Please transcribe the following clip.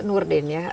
pak nur din ya